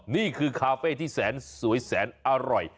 นี่คือคาเฟ่ที่แสนสวยแสนอร่อย